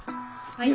はい。